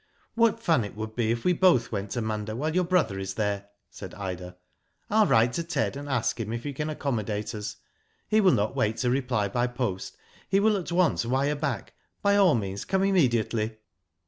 *'What fun it would be if we both went to Munda while your brother is there/' said Ida. •* ril write to Ted and ask him if he can accommodate us. He will not wait to reply by post, he will at once wire back *by all means come immediately.'